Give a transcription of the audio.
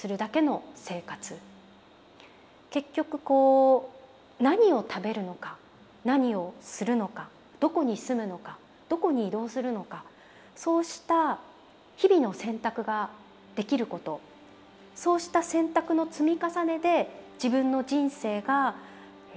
結局こう何を食べるのか何をするのかどこに住むのかどこに移動するのかそうした日々の選択ができることそうした選択の積み重ねで自分の人生が成り立っている。